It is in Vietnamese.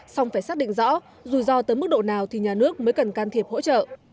xong phải xác định rõ rủi ro tới mức độ nào thì nhà nước mới cần can thiệp hỗ trợ